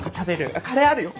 あっカレーあるよ！